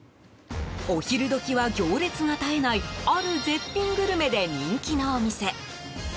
お昼時は行列が絶えないある絶品グルメで人気のお店。